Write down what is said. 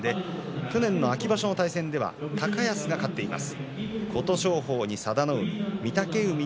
去年の秋場所の対戦では高安が勝っています。